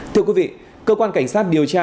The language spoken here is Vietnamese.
thưa quý vị cơ quan cảnh sát điều tra